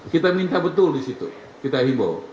kita minta betul disitu